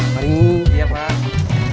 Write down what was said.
mari siap lah